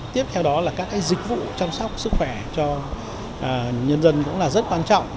tiếp theo là các dịch vụ chăm sóc sức khỏe cho nhân dân cũng rất quan trọng